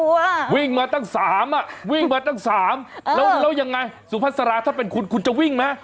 อ่ะวิ่งมาตั้งสามอ่ะวิ่งมาตั้งสามแล้วแล้วยังไงสุภาษาราถ้าเป็นคุณคุณจะวิ่งไหม